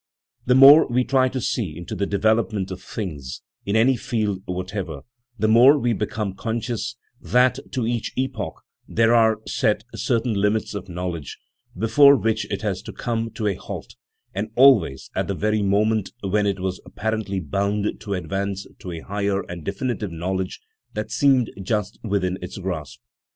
The more we try to see into the development of things, in any field whatever, the more we become conscious that to each epoch there are set certain limits of knowledge, before which it has to come to a halt, and always at the very moment when it was apparently bound to advance to a higher and definitive knowledge that seemed just within its grasp.